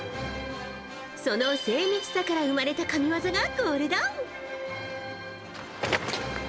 その精密さから生まれた神技が、これだ。